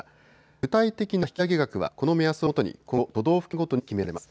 具体的な引き上げ額はこの目安をもとに今後、都道府県ごとに決められます。